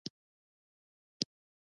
جګړن ورته وویل کېنه، اوس دې لا ناوخته کړ.